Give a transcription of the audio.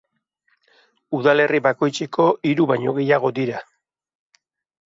Udalerri bakoitzeko hiru baino gehiago dira.